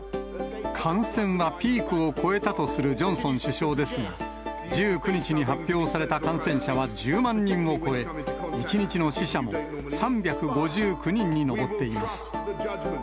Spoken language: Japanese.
感染はピークを越えたとするジョンソン首相ですが、１９日に発表された感染者は１０万人を超え、１日の死者も３５９人に上っています。